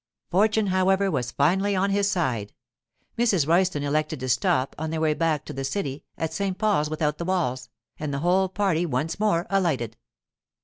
Fortune, however, was finally on his side. Mrs. Royston elected to stop, on their way back to the city, at St. Paul's without the Walls, and the whole party once more alighted.